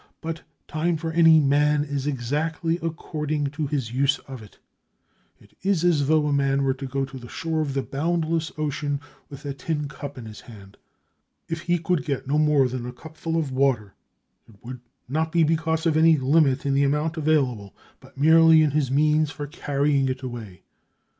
But time for any man is exactly according to his use of it. It is as though a man were to go to the shore of the boundless ocean, with a tin cup in his hand. If he could get no more than a cupful of water, it would not be because of any limit in the amount available, but merely in his means for carrying it away.